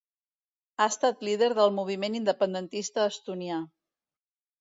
Ha estat líder del moviment independentista estonià.